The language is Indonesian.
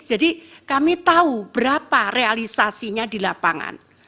jadi kami tahu berapa realisasinya di lapangan